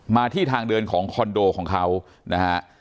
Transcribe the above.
ที่ทางเดินของคอนโดของเขานะฮะ